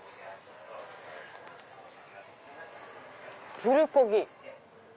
「プルコギ」。